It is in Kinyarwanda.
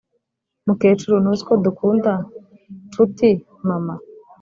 mukecuru, ntuzi ko dukunda ? (nshuti mama)